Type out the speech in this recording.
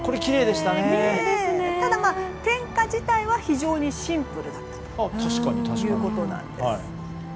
ただ点火自体は非常にシンプルだったということなんです。